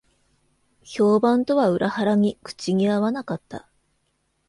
評判とは裏腹に口に合わなかった